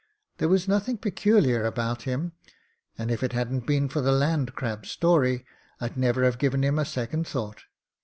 There was nothing peculiar about liim, and if it hadn't been for the Land Crab's story I'd never have given him a second thought.